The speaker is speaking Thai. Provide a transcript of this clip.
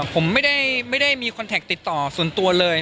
ผมไม่ได้มีคอนแท็กติดต่อส่วนตัวเลย